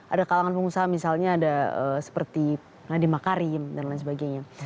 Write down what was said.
ada kalangan pengusaha misalnya ada seperti nadiem makarim dan lain sebagainya